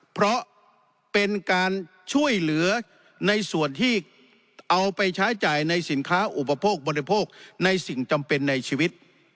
เพราะเป็นการช่วยเหลือในส่วนที่เอาไปใช้จ่ายในสินค้าอุปโภคบริโภคในสิ่งจำเป็นในชีวิต